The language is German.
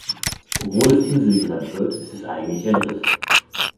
Obwohl es Insel genannt wird, ist es eigentlich ein Riff.